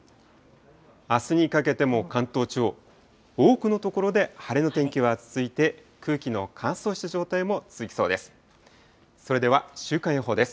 あすにかけても関東地方、多くの所で晴れの天気が続いて、空気の乾燥した状態も続きそうです。